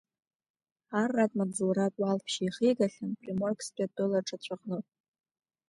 Арратә маҵзуратә уалԥшьа ихигахьан Приморсктәи атәыла ҿацә аҟны.